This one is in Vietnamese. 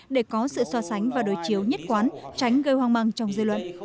để có sự so sánh và đối chiếu nhất quán tránh gây hoang măng trong dây luận